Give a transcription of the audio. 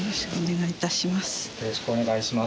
よろしくお願いします。